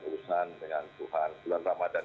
urusan dengan tuhan bulan ramadhan